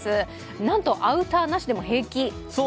なんとアウターなしでも平気？